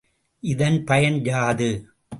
இதன் பயன் யாது?